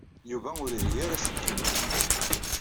Yuba ur iri ara iselkimen.